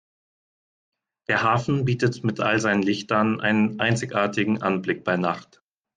Der Hafen bietet mit all seinen Lichtern einen einzigartigen Anblick bei Nacht.